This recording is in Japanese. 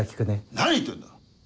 何言ってんだ！